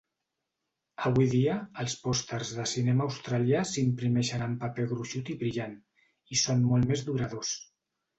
Avui dia, els pòsters de cinema australià s'imprimeixen en paper gruixut i brillant, i són molt més duradors.